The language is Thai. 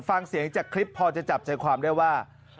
ฟังเสียงจากคลิปพอจะจับใจความได้ว่า